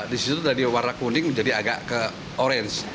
di situ dari warna kuning menjadi agak ke orange